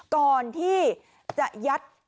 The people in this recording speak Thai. ก่อนที่จะยัด